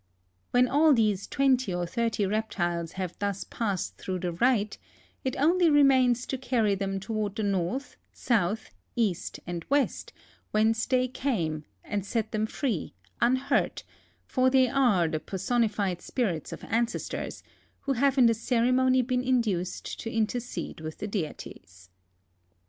When all these 20 or 30 reptiles have thus passed through the rite, it only remains to carry them toward the north, south, east, and west, whence they came, and set them free, unhurt, for they are the personified spirits of ancestors, who have in the ceremony been induced to intercede with the deities.